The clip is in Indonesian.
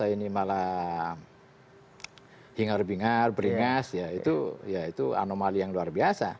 ya dikesankan bulan puasa ini malah bingar bingar beringas ya itu ya itu anomali yang luar biasa